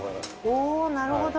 おなるほど。